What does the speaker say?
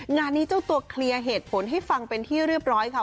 งานนี้เจ้าตัวเคลียร์เหตุผลให้ฟังเป็นที่เรียบร้อยค่ะ